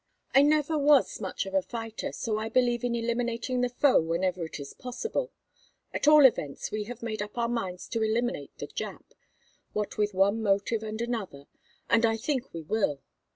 I never was much of a fighter, so I believe in eliminating the foe whenever it is possible. At all events we have made up our minds to eliminate the Jap, what with one motive and another, and I think we will.